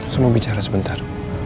semua bicara sebentar